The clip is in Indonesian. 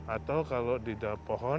atau kalau tidak pohon